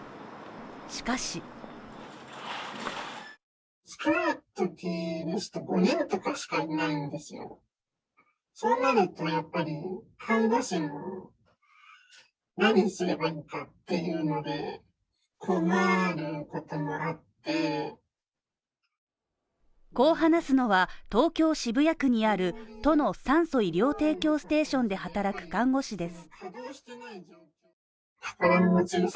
しかしこう話すのは東京渋谷区にある都の酸素・医療提供ステーションで働く看護師です